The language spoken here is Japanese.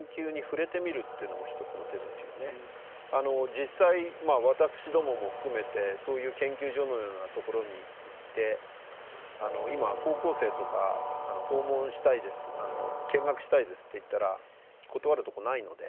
実際私どもも含めてそういう研究所のようなところに行って今高校生とか「訪問したいです見学したいです」って言ったら断るとこないので。